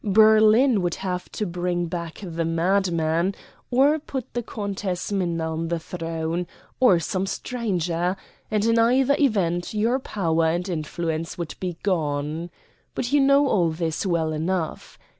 Berlin would have to bring back the madman, or put the Countess Minna on the throne, or some stranger; and, in either event, your power and influence would be gone. But you know all this well enough.